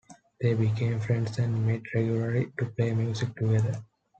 They became friends and met regularly to play music together.